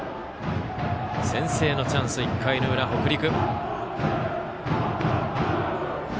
先制のチャンス、１回の裏、北陸。